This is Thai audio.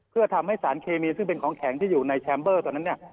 เพื่อทำให้สารเคมีซึ่งเป็นของแข็งที่อยู่ในแชมเบอร์ตอนนั้นเนี่ย